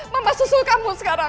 mama susul kamu sekarang